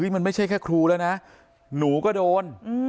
มันไม่ใช่แค่ครูแล้วนะหนูก็โดน